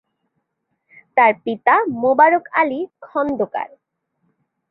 তার পিতা মোবারক আলী খন্দকার।